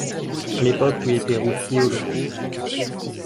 À l’époque où il était routier au long cours